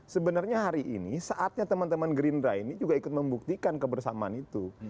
sebenarnya hari ini saatnya teman teman gerindra ini juga ikut membuktikan kebersamaan itu